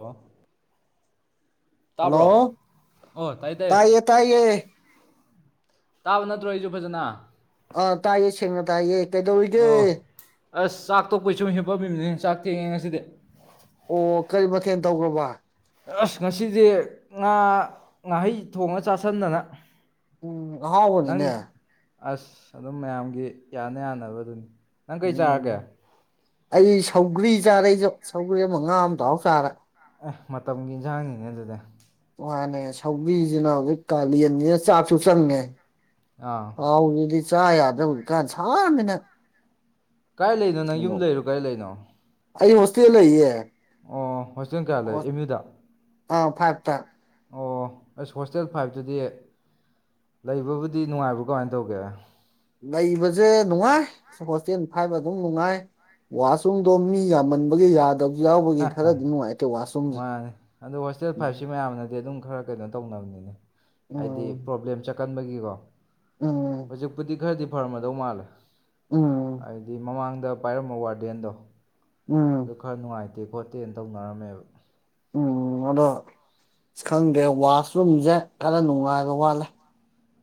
ꯍꯣ ꯍꯜꯂꯣ ꯇꯥꯏ ꯇꯥꯏ ꯇꯥꯏꯌꯦ ꯇꯥꯏꯌꯦ ꯇꯥꯕ ꯅꯠꯇ꯭ꯔꯣ ꯑꯩꯁꯨ ꯐꯖꯟꯅ ꯑ ꯇꯥꯏꯌꯦ ꯁꯦꯡꯄ ꯇꯥꯏꯌꯦ ꯀꯩꯗꯧꯔꯤꯒꯦ ꯑꯣ ꯑꯁ ꯆꯥꯛ ꯇꯣꯛꯄꯩꯁꯨꯝ ꯍꯤꯞꯄꯝꯃꯤꯕꯅꯤ ꯆꯥꯛ ꯇꯦꯡꯉꯦ ꯉꯁꯤꯗꯤ ꯑꯣ ꯀꯔꯤ ꯃꯊꯦꯜ ꯇꯧꯈ꯭ꯔꯥꯕ ꯑꯁ ꯉꯁꯤꯗꯤ ꯉꯥ ꯉꯥꯍꯩ ꯊꯣꯡꯉ ꯆꯥꯥꯁꯟꯗꯅ ꯎꯝ ꯑꯍꯥꯎꯕꯅꯤꯅꯦ ꯑꯁ ꯑꯗꯨꯝ ꯃꯌꯥꯝꯒꯤ ꯌꯥꯅ ꯌꯥꯅꯕꯗꯨꯅꯤ ꯅꯪ ꯀꯩ ꯎꯝ ꯆꯥꯔꯒꯦ ꯑꯩ ꯁꯧꯒ꯭ꯔꯤ ꯆꯥꯔꯦ ꯑꯩꯁꯨ ꯁꯧꯒ꯭ꯔꯤ ꯑꯃ ꯃꯉꯥ ꯑꯃ ꯊꯥꯎꯔ ꯆꯥꯔꯦ ꯑꯦ ꯃꯇꯝꯒꯤ ꯏꯟꯁꯥꯡꯅꯤꯅꯦ ꯑꯗꯨꯗꯤ ꯋꯥꯅꯦ ꯁꯧꯒꯤꯁꯤꯅ ꯍꯧꯖꯤꯛ ꯀꯥꯂꯦꯟꯅꯤꯅ ꯆꯥꯛꯁꯨ ꯆꯪꯉꯦ ꯑꯥ ꯍꯥꯎꯗꯨꯗꯤ ꯆꯥ ꯌꯥꯗ ꯍꯧꯖꯤꯛ ꯀꯥꯟ ꯁꯥꯥꯅꯤꯅ ꯀꯥꯏ ꯂꯩꯅꯣ ꯅꯪ ꯌꯨꯝ ꯂꯩꯔꯣ ꯀꯥꯏ ꯂꯩꯅꯣ ꯑꯩ ꯍꯣꯁꯇꯤꯜ ꯂꯩꯌꯦ ꯑꯣ ꯍꯣꯁꯇꯦꯟ ꯀꯌꯥ ꯂꯩ ꯑꯦꯝ ꯌꯨꯗ ꯑ ꯐꯥꯏꯚ ꯇ ꯑꯣ ꯑꯁ ꯍꯣꯁꯇꯦꯜ ꯐꯥꯏꯕꯇꯗꯤ ꯂꯩꯕꯕꯨꯗꯤ ꯅꯨꯡꯉꯥꯏꯕ꯭ꯔꯥ ꯀꯃꯥꯏꯅ ꯇꯧꯒꯦ ꯂꯩꯕꯁꯦ ꯅꯨꯡꯉꯥꯏ ꯍꯣꯁꯇꯦꯜ ꯐꯥꯏꯕ ꯑꯗꯨꯝ ꯅꯨꯡꯉꯥꯏ ꯋꯥꯁꯨꯡꯗꯣ ꯃꯤ ꯌꯥꯝꯃꯟꯕꯒꯤ ꯌꯥꯗꯕ ꯃꯥꯅꯦ ꯑꯗꯨ ꯍꯣꯁꯇꯦꯜ ꯎꯝ ꯐꯥꯏꯞꯕꯁꯤ ꯃꯌꯥꯝꯅꯗꯤ ꯑꯗꯨꯝ ꯈꯔ ꯀꯩꯅꯣ ꯇꯧꯅꯕꯅꯤꯅꯦ ꯍꯥꯏꯗꯤ ꯎꯝ ꯄ꯭ꯔꯣꯕ꯭ꯂꯦꯝ ꯆꯠꯀꯟꯕꯒꯤꯀꯣ ꯍꯧꯖꯤꯛꯄꯨꯗꯤ ꯈꯔꯗꯤ ꯐꯔꯝꯃꯗꯧ ꯃꯥꯜꯂꯦ ꯎꯝ ꯍꯥꯏꯗꯤ ꯃꯃꯥꯡ ꯑꯗ ꯄꯥꯏꯔꯝꯕ ꯋꯥꯔꯗꯦꯟꯗꯣ ꯑꯗꯨ ꯎꯝ ꯈꯔ ꯅꯨꯡꯉꯥꯏꯇꯦ ꯈꯣꯠꯇꯦꯅ ꯇꯧꯅꯔꯝꯃꯦꯕ ꯎꯝ ꯑꯗꯣ ꯑ ꯈꯪꯗꯦ ꯋꯥꯁꯔꯨꯝꯁꯦ ꯈꯔ ꯅꯨꯡꯉꯥꯏꯕ ꯋꯥꯠꯂꯦ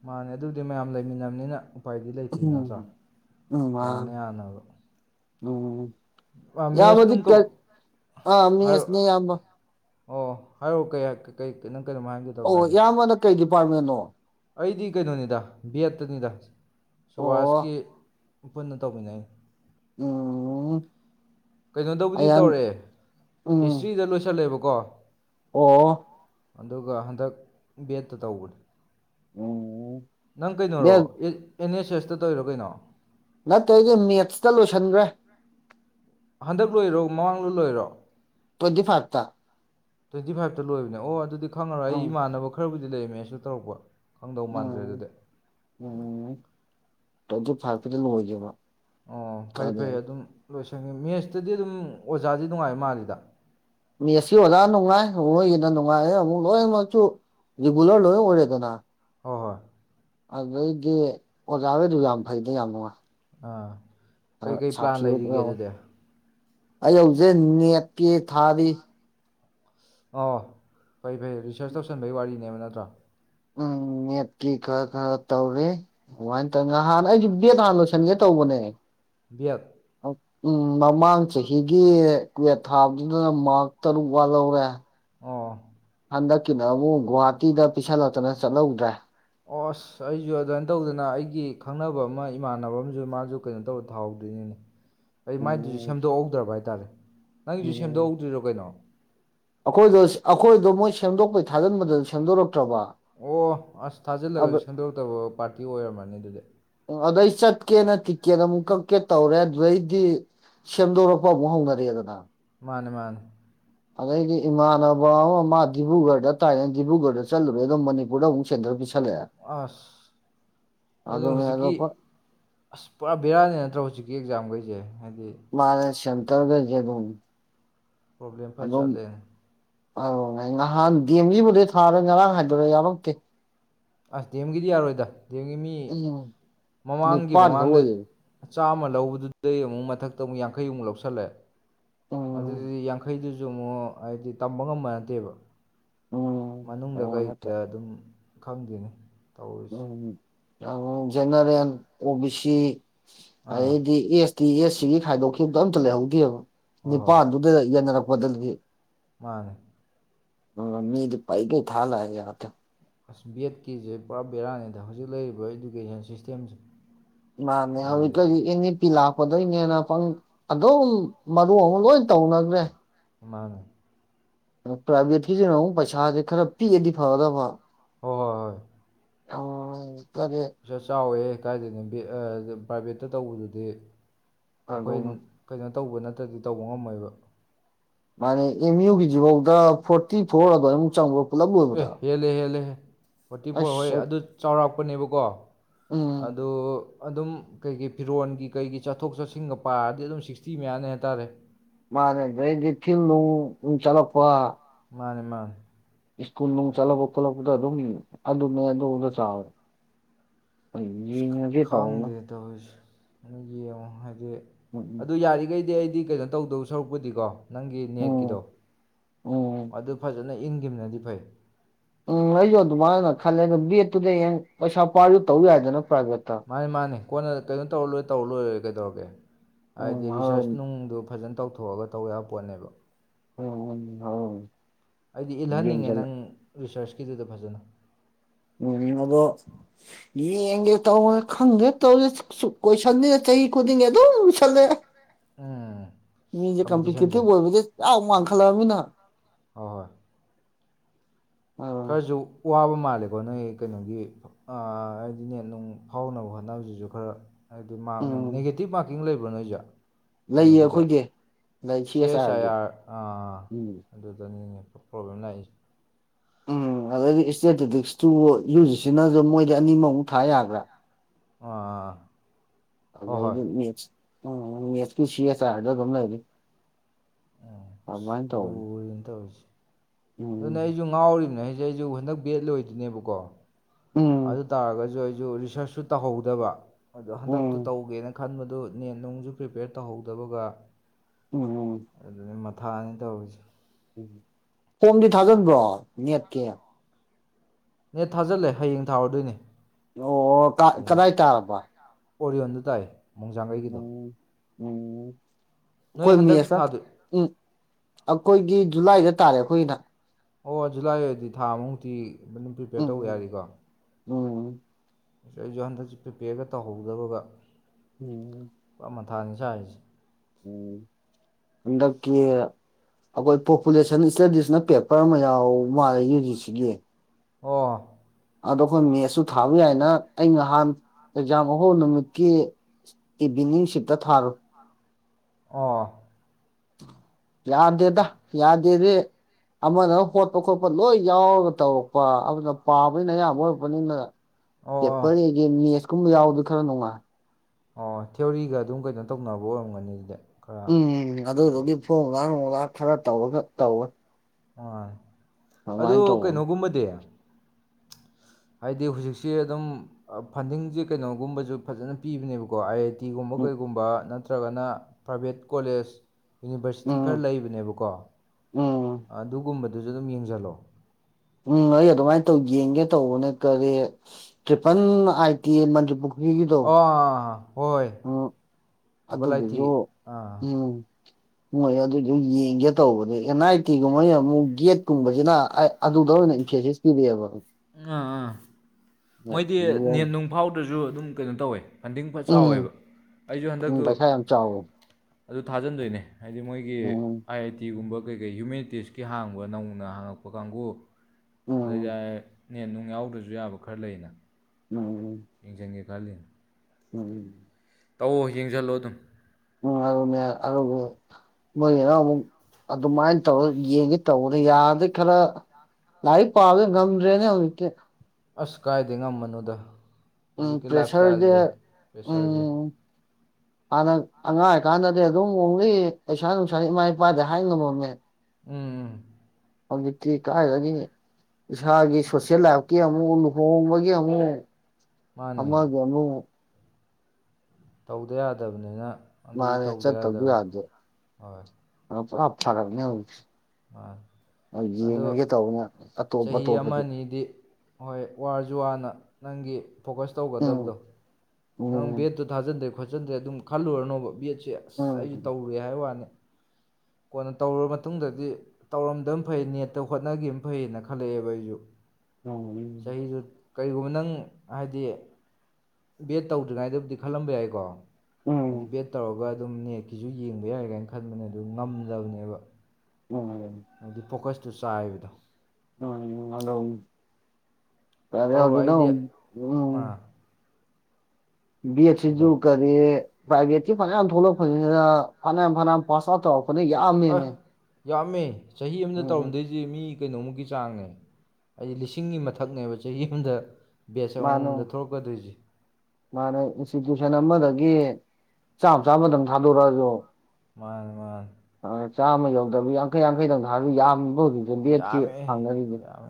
ꯃꯥꯅꯦ ꯑꯗꯨꯗꯤ ꯃꯌꯥꯝ ꯂꯩꯃꯤꯟꯅꯕꯅꯤꯅ ꯎꯄꯥꯏꯗꯤ ꯂꯩꯇ꯭ ꯅꯠꯇ꯭ꯔꯣ ꯎꯝ ꯎꯝ ꯌꯥꯅꯤ ꯑꯥ ꯌꯥꯅꯕ ꯎꯝ ꯑ ꯃꯦꯠꯁ ꯌꯥꯝꯕꯗꯤ ꯅꯨꯡ ꯀ ꯑ ꯃꯤꯁꯅꯦ ꯍꯥꯏꯔꯛꯑꯣ ꯌꯥꯝꯌꯥꯝꯕ ꯑꯣ ꯍꯥꯏ ꯀꯩ ꯀꯩ ꯅꯪ ꯀꯩꯅꯣꯝ ꯍꯥꯏꯒꯦ ꯑꯣ ꯇꯧꯗꯥꯏꯅꯦ ꯏꯌꯥꯝꯕꯅ ꯀꯩ ꯗꯤꯄꯥꯔꯠꯃꯦꯟꯅꯣ ꯑꯩꯗꯤ ꯀꯩꯅꯣꯅꯤꯗ ꯕꯦꯠꯇꯅꯤꯗ ꯁꯨꯕꯥꯁꯀꯤ ꯑꯣ ꯄꯨꯟꯅ ꯇꯧꯃꯤꯟꯅꯩ ꯎꯝ ꯀꯩꯅꯣꯗꯕꯨꯗꯤ ꯑꯌꯥꯝ ꯇꯧꯔꯛꯑꯦ ꯎꯝ ꯍꯤꯁꯇ꯭ꯔꯤꯗ ꯂꯣꯏꯁꯤꯜꯂꯦꯕꯀꯣ ꯑꯣ ꯑꯗꯨꯒ ꯍꯟꯗꯛ ꯕꯦꯠꯇ ꯇꯧꯕꯅꯤ ꯎꯝ ꯅꯪ ꯀꯩꯅꯣꯔꯣ ꯕꯦꯜ ꯑꯦꯟ ꯑꯦꯁ ꯑꯦꯁꯇ ꯇꯧꯔꯣ ꯀꯩꯅꯣ ꯅꯠꯇꯦ ꯑꯩꯁꯦ ꯃꯦꯠꯁꯇ ꯂꯣꯏꯁꯟꯈ꯭ꯔꯦ ꯍꯟꯗꯛ ꯂꯣꯏꯔꯣ ꯃꯃꯥꯡꯗ ꯂꯣꯏꯔꯣ ꯀꯗꯤ ꯐꯔ ꯇ ꯇ꯭ꯋꯦꯟꯇꯤ ꯐꯥꯏꯚꯇ ꯂꯣꯏꯕꯅꯦ ꯑꯣ ꯑꯗꯨꯗꯤ ꯈꯪꯉꯔꯣꯏ ꯑꯩ ꯎꯝ ꯏꯃꯥꯟꯅꯕ ꯈꯔꯕꯨꯗꯤ ꯂꯩꯔꯝꯃꯦꯁꯨ ꯇꯧꯔꯛꯄ ꯈꯪꯗꯧ ꯃꯥꯟꯗ꯭ꯔꯦ ꯎꯝ ꯑꯗꯨꯗꯤ ꯐꯜ ꯐꯗꯨꯅꯨꯡꯣꯏꯖ ꯑꯣ ꯐꯩ ꯐꯩ ꯑꯗꯨꯝ ꯂꯣꯏꯁꯟꯉꯦ ꯃꯦꯠꯁꯇꯗꯤ ꯑꯗꯨꯝ ꯑꯣꯖꯥꯗꯤ ꯅꯨꯡꯉꯥꯏ ꯃꯥꯜꯂꯤꯗ ꯃꯦꯁꯤ ꯑꯣꯖ ꯅꯨꯡꯉꯥꯏ ꯏ ꯅꯨꯡꯉꯥꯏꯦ ꯂꯣꯏꯅꯃꯛꯁꯨ ꯔꯤꯒꯨꯂꯔ ꯂꯣꯏ ꯑꯣꯏꯔꯦꯗꯅ ꯍꯣꯏ꯫ ꯍꯣꯏ ꯑꯗꯨꯩꯗꯤ ꯑꯣꯖꯥ ꯍꯩꯁꯨ ꯌꯥꯝ ꯐꯩꯗ ꯌꯥꯝꯉ ꯑꯥ ꯀꯩꯀꯩ ꯄ꯭ꯂꯥꯟ ꯂꯩꯔꯤꯒꯦ ꯌꯥꯎꯋꯦ ꯑꯗꯨꯗꯤ ꯑꯩ ꯍꯧꯖꯤꯛ ꯅꯦꯠꯀꯦ ꯊꯥꯔꯤ ꯑ ꯐꯩ ꯐꯩ ꯔꯤꯁꯥꯔꯁ ꯇꯧꯁꯟꯕꯒꯤ ꯋꯥꯔꯤꯅꯦꯕ ꯅꯠꯇ꯭ꯔꯣ ꯑꯣ ꯑꯣ ꯅꯦꯠꯀꯤ ꯈꯔ ꯈꯔ ꯇꯧꯔꯦ ꯑꯗꯨꯃꯥꯏꯅ ꯇꯧꯍꯥꯟ ꯑꯩꯁꯦ ꯕꯦꯠ ꯍꯥꯟꯅ ꯂꯣꯏꯁꯤꯟꯒꯦ ꯇꯧꯕꯅꯦ ꯠ ꯎꯝ ꯃꯃꯥꯡ ꯆꯍꯤꯒꯤ ꯀꯨꯋꯦꯠ ꯊꯥꯕꯗꯨꯅ ꯃꯥꯔꯛ ꯇꯔꯨꯛ ꯋꯥ ꯂꯧꯔꯦ ꯑꯣ ꯍꯟꯗꯛꯀꯤꯅ ꯑꯃꯨꯛ ꯒꯨꯍꯥꯇꯤꯗ ꯄꯤꯁꯜꯂꯛꯇꯅ ꯆꯠꯍꯧꯗ꯭ꯔꯦ ꯑꯣ ꯑꯁ ꯑꯩꯁꯨ ꯑꯗꯨꯃꯥꯏꯅ ꯇꯧꯗꯅ ꯑꯩꯒꯤ ꯈꯪꯅꯕ ꯑꯃ ꯏꯃꯥꯟꯅꯕ ꯑꯃꯁꯨ ꯃꯥꯁꯨ ꯀꯩꯅꯣ ꯇꯧꯔ ꯊꯥꯍꯧꯗ꯭ꯣꯏꯅꯤꯅꯤ ꯑꯩ ꯃꯥꯏꯗꯨꯁꯨ ꯎꯝ ꯁꯦꯝꯗꯣꯛꯍꯧꯗ꯭ꯔꯕ ꯍꯥꯏꯇꯥꯔꯦ ꯅꯪꯒꯤꯁꯨ ꯁꯦꯝꯗꯣꯛꯍꯧꯗꯣꯏꯔꯣ ꯀꯩꯅꯣ ꯑꯩꯈꯣꯏꯗ ꯑꯩꯈꯣꯏꯗꯣ ꯃꯣꯏ ꯁꯦꯝꯗꯣꯛꯄꯩ ꯊꯥꯖꯤꯟꯕꯗꯅ ꯁꯦꯝꯗꯣꯔꯛꯄ ꯑꯣ ꯑꯁ ꯊꯥꯖꯤꯜꯂꯒꯁꯨ ꯁꯦꯡꯗꯣꯔꯛꯇꯕ ꯄꯥꯔꯇꯤ ꯑꯣꯏꯔꯝꯃꯅꯤ ꯑꯗꯨꯗꯤ ꯑꯗꯩ ꯆꯠꯀꯦꯅ ꯇꯤꯛꯀꯦꯠ ꯑꯃꯨꯛ ꯀꯛꯀꯦ ꯇꯧꯔꯦ ꯑꯗꯨꯗꯩꯗꯤ ꯁꯦꯝꯗꯣꯔꯛꯄ ꯑꯃꯨꯛ ꯍꯧꯅꯔꯑꯦꯗꯅ ꯃꯥꯅ ꯃꯥꯥꯟ ꯑꯗꯩꯗꯤ ꯏꯃꯥꯟꯅꯕ ꯑꯃ ꯃꯥ ꯗꯤꯕꯨ ꯒꯔꯗ ꯇꯥꯏꯔꯅ ꯗꯤꯕ꯭ꯔꯨꯒꯔꯗ ꯆꯠꯂꯨꯔꯦ ꯑꯗꯝ ꯃꯅꯤꯄꯨꯔꯗ ꯑꯃꯨꯛ ꯁꯦꯟꯗꯔꯛꯄꯤꯁꯤꯦ ꯑꯁ ꯑꯗꯨꯅꯤ ꯑꯗꯨꯅꯦ ꯍꯧꯖꯤꯛꯀꯤ ꯑꯇꯣꯞꯄ ꯑꯁ ꯄꯨꯔꯥ ꯕꯦꯔꯥꯅꯤ ꯅꯠꯇ꯭ꯔꯣ ꯍꯧꯖꯤꯛꯀꯤ ꯑꯦꯛꯖꯥꯝꯈꯩꯁꯦ ꯍꯥꯏꯗꯤ ꯃꯥꯅ ꯁꯟꯇꯔꯒꯔꯖꯕꯨꯝ ꯄ꯭ꯔꯣꯕ꯭ꯂꯦꯝ ꯐ ꯆꯠꯂꯦ ꯑ ꯅꯍꯥꯟ ꯗꯦꯝꯁꯤꯕꯨꯗꯤꯩ ꯊꯥꯔꯣꯏ ꯉꯔꯥꯡ ꯍꯥꯏꯗꯣꯔꯦ ꯌꯥꯎꯔꯛꯇꯦ ꯑꯁ ꯗꯦꯝꯒꯤꯗꯤ ꯌꯥꯔꯣꯏꯗ ꯗꯦꯝꯒꯤ ꯃꯤ ꯎꯝ ꯃꯃꯥꯡꯒꯤ ꯅꯤꯄꯥꯟ ꯈꯛ ꯃꯃꯥꯡꯗ ꯑꯣꯏꯌꯦ ꯆꯥꯝꯃ ꯂꯧꯕꯗꯨꯗꯩ ꯑꯃꯨꯛ ꯃꯊꯛꯇ ꯑꯃꯨꯛ ꯌꯥꯡꯈꯩꯃꯨꯛ ꯂꯧꯁꯜꯂꯦ ꯎꯝ ꯑꯗꯨꯗꯤ ꯌꯥꯡꯈꯩꯗꯨꯁꯨ ꯑꯃꯨꯛ ꯍꯥꯏꯗꯤ ꯇꯝꯕ ꯉꯝꯕ ꯅꯠꯇꯦꯕ ꯎꯝ ꯃꯅꯨꯡꯗ ꯑꯣ ꯅꯠꯇꯦ ꯀꯩꯗ ꯑꯗꯨꯝ ꯈꯪꯈꯤꯦꯅꯤ ꯎꯝ ꯖꯦꯅꯔꯦꯜ ꯑꯣꯕꯤ ꯁꯤ ꯑꯥ ꯑꯗꯩꯗꯤ ꯑꯦꯁ ꯇꯤ ꯑꯦꯁ ꯁꯤꯒꯤ ꯈꯥꯏꯗꯣꯛꯈꯤꯕꯗꯣ ꯑꯝꯇ ꯂꯩꯍꯧꯗꯦꯕ ꯍꯣꯏ ꯅꯤꯄꯥꯟꯗꯨꯗ ꯌꯦꯟꯅꯔꯛꯄꯗꯗꯒꯤ ꯃꯥꯥꯡ ꯃꯤꯃꯤꯗꯤ ꯄꯩꯀꯩ ꯊꯂ ꯍꯥꯏ ꯑ ꯑꯁ ꯕꯤ ꯑꯦꯗꯀꯤꯁꯦ ꯄꯨꯔꯥ ꯕꯦꯔꯥꯅꯤꯗ ꯍꯧꯖꯤꯛ ꯂꯩꯔꯤꯕ ꯏꯗꯨꯀꯦꯁꯟ ꯁꯤꯁꯇꯦꯝꯁꯦ ꯃꯥꯅꯦ ꯍꯧꯖꯤꯛ ꯑꯗꯨꯗꯤ ꯀ ꯑꯦꯟ ꯑꯦ ꯄꯤ ꯂꯥꯛꯄꯗꯣꯏꯅꯦꯅ ꯑꯗꯨꯝ ꯃꯔꯨ ꯑꯃꯨ ꯂꯣꯏ ꯇꯥꯎꯅꯒ꯭ꯔꯦ ꯃꯥꯡ ꯄ꯭ꯔꯥꯏꯚꯦꯠꯀꯤꯁꯤꯅꯨꯛ ꯄꯩꯁꯥꯁꯦ ꯈꯔ ꯄꯤꯒꯗꯤ ꯐꯒꯗꯕ ꯍꯣꯏ ꯍꯣꯏ ꯍꯣꯏ ꯑꯣ ꯄꯩꯁꯥ ꯆꯥꯎꯋꯦ ꯀꯥꯏꯗ ꯄ꯭ꯔꯥꯏꯚꯦꯠꯇ ꯇꯧꯕꯗꯨꯗꯤ ꯑꯩꯈꯣꯏ ꯀꯩꯅꯣ ꯇꯧꯕ ꯅꯠꯇ꯭ꯔꯗꯤ ꯇꯧꯕ ꯉꯝꯃꯣꯏꯕ ꯃꯥꯅꯦ ꯑꯦꯝ ꯌꯨꯒꯤꯁꯤꯐꯥꯎꯗ ꯐꯣꯔꯇꯤ ꯐꯣꯔ ꯑꯗꯨꯋꯥꯏꯃꯨꯛ ꯆꯪꯕ ꯄꯨꯂꯞ ꯑꯦ ꯂꯣꯏꯕꯗ ꯍꯦꯂꯦ ꯍꯦꯂꯦ ꯐꯣꯔꯇꯤ ꯐꯣꯔ ꯍꯣꯏ ꯑꯁ ꯑꯗꯨ ꯆꯥꯎꯔꯥꯛꯄꯅꯦꯕꯀꯣ ꯎꯝ ꯑꯗꯨ ꯑꯗꯨꯝ ꯀꯩꯒꯤꯩ ꯐꯤꯔꯣꯟꯒꯤ ꯀꯩꯒꯤ ꯆꯠꯊꯣꯛ ꯆꯠꯁꯤꯟꯒ ꯄꯥꯔꯗꯤ ꯑꯗꯨꯝ ꯁꯤꯛꯁꯇꯤ ꯃꯌꯥꯅꯤ ꯍꯥꯏꯇꯥꯔꯦ ꯃꯥꯅꯦꯦ ꯩꯗꯤ ꯎ ꯆꯂꯄ ꯃꯥꯅꯦ ꯃꯥꯅꯤ ꯁ꯭ꯀꯨꯜ ꯅꯨꯡ ꯆꯠꯂꯛ ꯈꯣꯠꯂꯛꯄꯗ ꯑꯗꯨꯝ ꯑꯗꯨꯅꯦ ꯑꯗꯨꯗ ꯆꯥꯎꯋꯦ ꯈꯪꯉ ꯗꯦ ꯇ ꯍꯧꯁ ꯌꯦꯡꯉꯣ ꯍꯥꯏꯗꯤ ꯎꯝ ꯑꯗꯨ ꯌꯥꯔꯤꯈꯩꯗꯤ ꯑꯩꯗꯤ ꯀꯩꯅꯣ ꯇꯧꯗꯧ ꯁꯔꯨꯛꯄꯨꯗꯤꯀꯣ ꯅꯪꯒꯤ ꯎꯝ ꯅꯦꯠꯀꯤꯗꯣ ꯎꯝ ꯑꯗꯨ ꯐꯖꯅ ꯏꯟꯈꯤꯕꯅꯗꯤ ꯐꯩ ꯎꯝ ꯑꯩꯁꯨ ꯑꯗꯨꯃꯥꯏꯅ ꯈꯜꯂꯦ ꯑꯗꯨ ꯕꯦꯠꯇꯨꯗ ꯍꯌꯦꯡ ꯄꯩꯁꯥ ꯄꯥꯏꯁꯨꯨ ꯇꯧ ꯌꯥꯏꯗꯅ ꯒꯠꯇ ꯑꯩꯈꯣꯏꯅ ꯀꯩꯅꯣ ꯇꯧꯔ ꯂꯣꯏ ꯇꯧꯔ ꯂꯣꯏꯔꯣꯏ ꯀꯩꯗꯧꯔꯒꯦ ꯎꯝ ꯍꯥꯏꯗꯤ ꯍꯣꯏ ꯔꯤꯁꯔꯁ ꯅꯨꯡꯗꯨ ꯐꯖꯅ ꯇꯧꯊꯣꯛꯑꯒ ꯇꯧꯕ ꯌꯥꯕ ꯄꯣꯠꯅꯦꯕ ꯎꯝ ꯍꯣꯏ ꯑꯩꯗꯤ ꯏꯜꯍꯟꯅꯤꯡꯉꯦ ꯌꯦꯡꯖꯜꯂ ꯅꯪ ꯔꯤꯁꯁ ꯤꯗꯨꯗ ꯐꯖꯅ ꯎꯝ ꯑꯗꯣ ꯌꯦꯡꯒꯦ ꯇꯧ ꯈꯪꯗꯦ ꯇꯧꯔꯦ ꯀꯣꯏꯁꯟꯅꯤ ꯅ ꯀ ꯈꯨꯨꯗꯤꯦ ꯑꯗꯨꯣꯁꯜꯦ ꯎꯝ ꯃꯤꯁꯦ ꯀꯝꯄꯤꯇꯤꯁꯟꯁꯦ ꯀꯝꯄ꯭ꯂꯤꯇꯦꯇꯤꯚ ꯑꯣꯏꯕꯁꯦ ꯆꯥꯎ ꯋꯥꯥꯡꯈꯠꯂꯛꯑꯃꯤꯅ [unintelligible] ꯍꯣꯏ ꯍꯣꯏ ꯈꯔꯁꯨ ꯋꯥꯕ ꯃꯥꯜꯂꯦꯀꯣ ꯅꯣꯏ ꯀꯩꯅꯣꯒꯤ ꯍꯥꯏꯗꯤꯅꯦ ꯅꯨꯡ ꯐꯥꯎꯅꯕ ꯍꯣꯠꯅꯕ ꯍꯧꯖꯤꯛꯁꯨ ꯈꯔ ꯍꯥꯏꯗꯤ ꯃꯥꯔꯛ ꯅꯨꯡ ꯎꯝ ꯅꯦꯒꯦꯇꯤꯞ ꯃꯥꯔꯀꯤꯡ ꯂꯩꯕ꯭ꯔꯥ ꯅꯣꯏꯁꯦ ꯂꯩꯌꯦ ꯀꯩꯅꯣꯒꯤꯗꯤ ꯑꯩꯈꯣꯏꯒꯤ ꯁꯤ ꯑꯦꯁ ꯑꯥꯏ ꯑꯥꯔꯥ ꯎꯝ ꯑꯗꯨꯗꯅꯤꯅꯦ ꯄꯣꯕ꯭ꯂꯦꯝ ꯅꯥꯏ ꯎꯝ ꯑꯗꯩꯗꯤ ꯏꯁꯇꯦꯇꯦꯇꯤꯛꯁꯇꯨ ꯌꯨꯖꯤꯁꯤꯅꯁꯨ ꯃꯣꯏꯗꯤ ꯑꯅꯤꯃꯃꯨꯛ ꯊꯥ ꯌꯥꯒ꯭ꯔꯥ ꯑ ꯑꯗꯨꯗꯤꯠ ꯎꯝꯦꯠꯁꯀꯤꯁꯤ ꯆ ꯍꯥꯏꯗ ꯑꯗꯨꯝ ꯂꯩꯗꯤ ꯎ ꯑꯁ ꯂꯨꯅ ꯇꯧꯔꯤꯁꯤꯦ ꯑꯗꯨꯅ ꯎꯝ ꯑꯩꯁꯨ ꯉꯥꯎꯔꯤꯕꯅꯦ ꯑꯩꯁꯦ ꯑꯩꯁꯨ ꯍꯟꯗꯛ ꯕꯦꯠ ꯂꯣꯏꯗꯣꯏꯅꯦꯕꯀꯣ ꯎꯝ ꯑꯗꯨ ꯇꯥꯔꯒꯁꯨ ꯑꯩꯁꯨ ꯔꯤꯁꯔꯁꯁꯨ ꯇꯧꯍꯧꯗꯕ ꯑꯗꯨꯣ ꯍꯟꯗꯛꯇꯨ ꯎꯝ ꯇꯧꯒꯦꯅ ꯈ ꯈꯟꯕꯗꯨ ꯅꯦ ꯅꯨꯡꯁꯨ ꯄ꯭ꯔꯤꯄꯦꯌꯔ ꯇꯧꯍꯧꯗꯕꯒ ꯎꯝ ꯑꯗꯨꯅꯤ ꯃꯊꯥꯅꯤ ꯇꯧꯔꯤꯁꯦ ꯎꯝ ꯐꯣꯝꯗꯤ ꯊꯥꯖꯤꯟꯕ꯭ꯔꯣ ꯅꯦꯠꯀꯦ ꯅ ꯊꯥꯖꯤꯜꯂꯦ ꯍꯌꯦꯡ ꯊꯥꯔꯗꯣꯏꯅꯦ ꯑꯣ ꯀꯗꯥꯏ ꯇꯥꯔꯔꯕ ꯑꯣꯔꯤꯌꯣꯟꯗꯨ ꯇꯥꯏ ꯃꯣꯡꯖꯥꯡꯒꯩꯒꯤꯗꯣ ꯎꯝ ꯅꯣꯏ ꯀꯣꯏ ꯍꯟꯗꯛ ꯃꯤꯁ ꯊꯥꯗ ꯎꯝ ꯑꯩꯈꯣꯏꯒꯤ ꯖꯨꯂꯥꯏꯗ ꯇꯥꯔꯦ ꯑꯩꯈꯣꯏꯅ ꯑꯣ ꯖꯨꯂꯥꯏꯗꯤ ꯊꯥ ꯃꯨꯛꯇꯤ ꯑꯗꯨ ꯑꯗꯨꯝ ꯄ꯭ꯔꯤꯄꯦꯌꯔ ꯇꯧꯕ ꯎꯝ ꯌꯥꯔꯤꯀꯣ ꯎꯝ ꯉꯁ ꯑꯩꯁꯨ ꯍꯟꯗꯛꯤ ꯄ꯭ꯔꯤꯄꯦꯌꯔꯒ ꯇꯧꯍꯧꯗꯕ ꯎꯝ ꯊꯥꯟꯁꯥꯏꯖ ꯎꯝ ꯑꯦꯀꯦ ꯑꯩꯈꯣꯏ ꯄꯣꯄꯨꯂꯦꯁꯟ ꯏꯁꯇꯗꯤꯁꯅ ꯄꯦꯄꯔ ꯑꯃ ꯌꯥꯎ ꯃꯥꯜꯂꯦ ꯌꯨ ꯖꯤꯁꯤꯒꯤ ꯑꯣ ꯑꯗꯣ ꯑꯩꯈꯣꯏ ꯃꯦꯠꯁꯨ ꯊꯥꯕ ꯌꯥꯏꯅ ꯑꯩ ꯅꯍꯥꯟ ꯑꯦꯛꯖꯥꯝ ꯑꯍꯨꯝ ꯅꯨꯃꯤꯠꯀꯤ ꯏꯚꯤꯅꯤꯡ ꯁꯤꯞꯇ ꯊꯥꯔꯣ ꯑꯣ ꯌꯥꯔꯗꯦꯗ ꯌꯥꯗ ꯌꯦꯗꯤ ꯑꯃꯅ ꯍꯣꯠꯄ ꯈꯣꯠꯄ ꯂꯣꯏ ꯌꯥꯎꯔꯒ ꯇꯧꯔꯛꯄ ꯑꯗꯨꯅ ꯄꯥꯕꯅꯤꯅ ꯑꯌꯥꯝꯕ ꯑꯣꯏꯔꯛꯄꯅꯤꯅ ꯑꯣ ꯑꯣ ꯄꯦꯄꯔ ꯑꯦꯒꯤ ꯃꯦꯠꯁ ꯀꯨꯝꯕ ꯌꯥꯎꯕꯗꯣ ꯈꯔ ꯅꯨꯡꯉꯥꯏ ꯑꯣ ꯊꯤꯑꯣꯣꯔꯤꯒ ꯑꯗꯨꯝ ꯀꯩꯅꯣ ꯇꯧꯅꯕ ꯑꯣꯏꯔꯝꯒꯅꯤ ꯁꯤꯗ ꯎꯝ ꯑꯗꯨꯗꯨꯒꯤ ꯐꯣꯡ ꯂꯥ ꯅꯨꯡꯒꯥ ꯈꯔ ꯇꯧꯔ ꯈ ꯇꯧꯋ ꯑ ꯑꯗꯨ ꯀꯩꯅꯣꯒꯨꯝꯕꯗꯤ ꯍꯥꯏꯗꯤ ꯍꯧꯖꯤꯛꯁꯦ ꯑꯗꯨꯝ ꯐꯟꯗꯤꯡꯁꯦ ꯀꯩꯅꯣꯒꯨꯝꯕꯁꯨ ꯐꯖꯅ ꯄꯤꯕꯅꯦꯕꯀꯣ ꯑꯩ ꯇꯤꯒꯨꯝꯕ ꯀꯩꯒꯨꯝꯕ ꯅꯠꯇ꯭ꯔꯒꯅ ꯄ꯭ꯔꯥꯏꯚꯦꯠ ꯀꯣꯂꯦꯖ ꯎꯝ ꯌꯨꯅꯤꯚꯔꯁꯤꯇꯤ ꯈꯔ ꯎꯝ ꯂꯩꯕꯅꯦꯕꯀꯣ ꯎꯝ ꯑꯗꯨꯒꯨꯝꯕꯗ ꯑꯗꯨꯁꯨ ꯑꯗꯨꯝ ꯌꯦꯡꯁꯤꯜꯂꯣ ꯎꯝ ꯑꯩ ꯑꯗꯨꯃꯥꯏꯅ ꯇꯧ ꯌꯦꯡꯒꯦ ꯇꯧꯕꯅꯦ ꯀꯔꯤ ꯇ꯭ꯔꯤꯄꯜ ꯑꯥꯏ ꯇꯤ ꯃꯇ꯭ꯔꯤ ꯑꯥ ꯑ ꯍꯣꯏ ꯎꯝ ꯊꯄ ꯂꯥꯏꯇꯤ ꯑꯗꯨꯒꯤꯁꯨ ꯑꯥ ꯎꯝ ꯃꯣꯏ ꯑꯗꯨꯏꯁꯨ ꯌꯦꯡꯒꯦ ꯇꯧꯕꯅꯦ ꯑꯦꯟ ꯑꯥꯏ ꯇꯤꯒꯨꯝꯕꯅ ꯑꯃꯨꯛ ꯒꯦꯠꯀꯨꯝꯕꯁꯤꯅ ꯑꯗꯨꯗꯧ ꯑꯣꯏꯅ [unintelligible] ꯀꯗꯤꯕꯣ ꯑꯥ ꯑꯥ ꯃꯣꯏꯗꯤ ꯅꯍꯦꯝ ꯅꯨꯡ ꯐꯥꯎꯗꯁꯨ ꯑꯗꯨꯝ ꯀꯩꯅꯣ ꯇꯧꯋꯦ ꯐꯟꯗꯤꯡ ꯐ ꯎꯝ ꯆꯥꯎꯋꯦꯕ ꯑꯩꯁꯨ ꯎꯝ ꯍꯟꯗꯛꯇꯣ ꯄꯩꯁꯥ ꯌꯥꯝ ꯆꯥꯎꯋꯦ ꯑꯗꯨ ꯊꯥꯖꯤꯟꯗꯣꯏꯅꯦ ꯍꯥꯏꯗꯤ ꯃꯣꯏꯒꯤ ꯎꯝ ꯑꯥꯏ ꯑꯥꯏ ꯇꯤꯒꯨꯝꯕ ꯀꯩ ꯀꯩ ꯍ꯭ꯌꯨꯃꯦꯅꯤꯇꯤꯁꯀꯤ ꯍꯥꯡꯕ ꯅꯧꯅ ꯍꯥꯡꯉꯛꯄ ꯀꯥꯡꯕꯨ ꯑꯗꯨꯗ ꯎꯝ ꯌꯥꯏ ꯅꯅꯦ ꯅꯨꯡ ꯌꯥꯎꯗ꯭ꯔꯁꯨ ꯌꯥꯕ ꯈꯔ ꯂꯩꯅ ꯎꯝ ꯀꯂ ꯎꯝ ꯇꯧꯑꯣ ꯌꯦꯡꯁꯤꯜꯂꯣ ꯑꯗꯨꯝ ꯎꯝ ꯃ ꯑ ꯃ ꯑꯗꯨꯃꯥꯏꯅ ꯇꯧꯔꯒ ꯌꯦꯡꯒꯦ ꯇꯧꯕꯗ ꯌꯥꯔꯗꯤ꯭ꯔ ꯈꯔ ꯂꯥꯏ ꯄꯥꯕꯦ ꯉꯝ꯭ꯔꯦꯅꯦ ꯍꯧꯖꯤꯛꯇ ꯑꯁ ꯀꯥꯏꯗꯦ ꯉꯝꯃꯅꯣꯗ ꯎꯝ ꯄꯦꯁꯔꯗꯤ ꯄ꯭ꯔꯦꯁꯔꯁꯦ ꯎꯝ ꯍꯥꯟꯅ ꯑꯉꯥꯡ ꯑꯣꯏꯀꯥꯟꯗꯗꯤ ꯑꯗꯨꯝ ꯑꯣꯡꯂꯤ ꯄꯩꯁꯥ ꯅꯨꯡꯁꯥꯅ ꯏꯃꯥ ꯏꯄꯥꯗ ꯍꯥꯏ ꯉꯝꯃꯝꯃꯦ ꯎꯝ ꯎꯝ ꯍꯧꯖꯤꯛꯇꯤ ꯀꯥꯏꯗꯒꯤꯅꯤ ꯏꯁꯥꯒꯤ ꯁꯣꯁꯦꯜ ꯂꯥꯏꯐꯀꯤ ꯑꯃꯨ ꯑꯃꯨ ꯂꯨꯍꯣꯡꯕꯒꯤ ꯑꯃꯨꯛ ꯃꯥꯅꯦ ꯑꯃꯒꯤ ꯑꯃꯨꯛ ꯇꯧꯗ ꯌꯥꯗꯕꯅꯤꯅꯥ ꯃꯥꯅꯦ ꯆꯠꯇꯕꯨ ꯌꯥꯗ ꯍꯣꯏ ꯄꯨꯔꯥꯐꯔꯛꯅꯦ [inaudible] ꯑꯗꯣ ꯇꯧꯕꯅꯦ ꯑꯇꯣꯞ ꯆꯍꯤ ꯑꯇꯣꯞꯄꯗꯤ ꯑꯃꯅꯤꯗꯤ ꯍꯣꯏ ꯋꯥꯔꯁꯨ ꯋꯥꯅ ꯅꯪꯒꯤ ꯐꯣꯀꯁ ꯎꯝ ꯇꯧꯒꯗꯕꯗꯣ ꯅꯪ ꯎꯝ ꯕꯦꯗꯠꯗꯨ ꯊꯥꯖꯟꯗꯣꯏ ꯐꯠꯖꯟꯗ꯭ꯔꯦ ꯑꯗꯨꯝ ꯈꯜꯂꯨꯔꯅꯣꯕꯥ ꯕꯤ ꯑꯦꯠꯁꯦ ꯑꯁ ꯑꯩꯁꯨ ꯎꯝ ꯇꯧꯔꯨꯔꯦ ꯍꯥꯏꯕ ꯋꯥꯅꯤ ꯀꯣꯟꯅ ꯇꯧꯔꯔꯕ ꯃꯇꯨꯡꯗꯗꯤ ꯇꯧꯔꯝꯗꯅ ꯐꯩ ꯅꯦꯠꯇ ꯍꯣꯠꯅꯈꯤꯕ ꯑꯃ ꯐꯩꯅ ꯈꯜꯂꯛꯑꯦꯕ ꯑꯩꯁꯨ ꯆꯍꯤꯁꯨ [unintelligible] ꯀꯔꯤꯒꯨꯝꯕ ꯅꯪ ꯍꯥꯏꯗꯤ ꯕꯦꯠ ꯇꯧꯗ꯭ꯔꯤꯉꯩꯗꯕꯨꯗꯤ ꯈꯜꯂꯝꯕ ꯌꯥꯏꯀꯣ ꯎꯝ ꯕꯦꯠ ꯇꯧꯔꯒ ꯑꯗꯨꯝ ꯅꯦꯠꯀꯤꯁꯨ ꯌꯦꯡꯕ ꯌꯥꯔꯦ ꯀꯥꯏꯅ ꯈꯟꯕꯅꯦ ꯑꯗꯨ ꯉꯝꯗꯕꯅꯦꯕ ꯐꯣꯀꯁꯇꯨ ꯆꯥꯏꯕꯗꯣ ꯎꯝ ꯍꯗꯣ ꯀꯔꯦ ꯇꯧꯔꯣ [unintelligible] ꯑꯩꯗꯤ ꯎꯝ ꯑꯥ ꯕꯦꯠꯁꯤꯁꯨ ꯀꯩꯗꯧ ꯀꯔꯤ ꯄ꯭ꯔꯥꯏꯚꯦꯠꯇꯤ ꯐꯅꯌꯥꯝ ꯊꯣꯛꯂꯛꯄꯅꯤꯅ ꯐꯅꯌꯥꯝ ꯐꯅꯌꯥꯝ ꯄꯥꯁ ꯑꯥꯎꯠ ꯇꯧꯔꯛꯄꯅ ꯑꯦ ꯌꯥꯝꯃꯦꯃꯦ ꯌꯥꯝꯃꯦ ꯆꯍꯤ ꯑꯃꯗ ꯎꯝ ꯎꯝ ꯇꯧꯔꯝꯗꯣꯏꯁꯦ ꯃꯤ ꯀꯩꯅꯣꯝ ꯃꯨꯛꯀꯤ ꯆꯥꯡꯅꯦ ꯍꯥꯏꯗꯤ ꯂꯤꯁꯤꯡꯒꯤ ꯃꯊꯛꯅꯦꯕ ꯆꯍꯤ ꯑꯃꯗ ꯕꯦꯁ ꯑꯍꯝꯗ ꯊꯣꯛꯂꯛꯀꯗꯣꯏꯁꯦ ꯃꯥꯅ ꯏꯟꯁꯇꯤꯇ꯭ꯌꯨꯁꯟ ꯑꯃꯗꯒꯤ ꯆꯥꯃ ꯆꯥꯝꯃꯗꯪ ꯊꯥꯗꯣꯔꯛꯑꯁꯨ ꯃꯥꯅꯦ ꯃꯥꯅꯦ ꯍꯣꯏ ꯆꯥꯝꯃ ꯌꯧꯗꯕ ꯌꯥꯡꯈꯩ ꯌꯥꯡꯈꯩꯗꯧꯅ ꯍꯥꯏꯔꯗꯤ ꯌꯥꯝ ꯌꯥꯝꯃꯦ ꯌꯥꯝꯃꯦ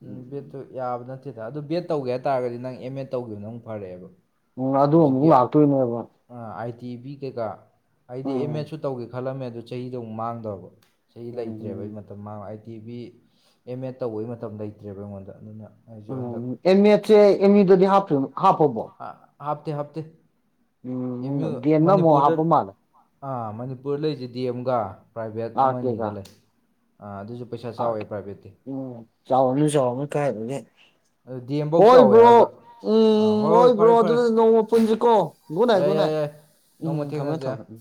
ꯌꯥꯝꯃꯦ ꯕꯦꯠꯇꯨ ꯌꯥꯕ ꯅꯠꯇꯦ ꯁꯤꯗ ꯑꯗꯨ ꯕꯦꯠ ꯇꯧꯒꯦ ꯍꯥꯏ ꯇꯥꯔꯒꯗꯤ ꯅꯪ ꯑꯦꯝ ꯑꯦ ꯇꯧꯈꯤꯕ ꯅꯪ ꯐꯔꯛꯑꯦꯕ ꯎꯝ ꯑꯗꯨ ꯑꯃꯨꯛ ꯍꯧꯖꯤꯛꯀꯤ ꯂꯥꯛꯇꯣꯏꯅꯦꯕ ꯑꯥꯏ ꯇꯤ ꯚꯕꯤ ꯀꯩꯀꯥ ꯑꯩꯗꯤ ꯑꯦꯝ ꯎꯝ ꯑꯦꯠꯁꯨ ꯇꯧꯒꯦ ꯈꯜꯂꯝꯃꯦ ꯑꯗꯨ ꯆꯍꯤꯗ ꯑꯃꯨꯛ ꯃꯥꯡꯗꯣꯔꯕ ꯆꯍꯤ ꯂꯩꯇ꯭ꯔꯦꯕ ꯑꯩ ꯎꯝ ꯃ ꯑꯥꯏ ꯇꯤ ꯕꯤ ꯑꯦꯝ ꯑꯦꯗ ꯇꯧꯕꯒꯤ ꯃꯇꯝ ꯂꯩꯇ꯭ꯔꯦꯕ ꯑꯩꯉꯣꯟꯗ ꯑꯗꯨꯅ ꯑꯩꯁꯨ ꯎꯦꯝ ꯍꯟꯗꯛ ꯑꯦꯝ ꯑꯦꯠꯁꯦ ꯑꯦꯝ ꯌꯨꯗꯗꯤ ꯍꯥꯞꯄꯕꯣ ꯍꯥꯞꯇꯦ ꯍꯥꯞꯇꯦ ꯑꯦꯝ ꯎꯝ ꯌꯨ ꯗꯦꯝꯅ ꯑꯃꯨꯛ ꯃꯅꯤꯄꯨꯔꯗ ꯍꯥꯞꯄ ꯃꯥꯜꯂꯦ ꯑꯥ ꯃꯅꯤꯄꯨꯔ ꯂꯩꯁꯤ ꯗꯤ ꯑꯦꯝꯒ ꯄ꯭ꯔꯥꯏꯚꯦꯠ ꯑꯥꯔ ꯑꯃ ꯑꯅꯤꯒ ꯀꯦꯒ ꯂꯩ ꯑꯗꯨꯁꯨ ꯄꯩꯁꯥ ꯑꯥꯔ ꯀꯦ ꯆꯥꯎꯋꯦ ꯄ꯭ꯔꯥꯏꯚꯦꯠꯇꯤ ꯎꯝ ꯆꯥꯎꯔꯝꯅꯤ ꯆꯥꯎꯔꯝꯅꯤ ꯀꯥꯔꯥꯏꯗꯒꯤ ꯑꯗꯨ ꯗꯤ ꯑꯦꯝꯐꯧ ꯆꯥꯎꯋꯦ ꯍꯣꯏꯕ꯭ꯔꯣ ꯍꯥꯏꯔꯒ ꯑꯥ ꯎꯝ ꯍꯣꯏ ꯍꯣꯏ ꯍꯣꯏꯕ꯭ꯔꯣ ꯐꯔꯦ ꯐꯔꯦ ꯑꯗꯨꯅ ꯅꯣꯡꯃ ꯄꯨꯟꯁꯤꯀꯣ ꯒꯨꯠꯅꯥꯏꯠ ꯌꯥꯏ ꯌꯥꯏ ꯒꯨꯠꯅꯥꯏꯠ ꯌꯥꯏ ꯅꯣꯡꯃ ꯎꯝ ꯊꯝꯃꯦ ꯊꯦꯡꯅꯁꯦ ꯊꯝꯃꯦ ꯎꯝ